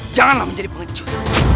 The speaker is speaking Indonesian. janganlah menjadi pengecut